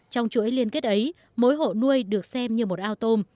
trong chuỗi liên kết ấy mỗi hộ nuôi được xem như một ao tôm